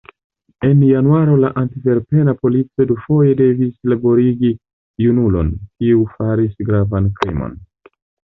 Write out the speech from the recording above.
En januaro la antverpena polico dufoje devis liberigi junulon, kiu faris gravan krimon.